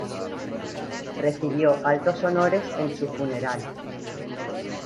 Recibió altos honores en su funeral.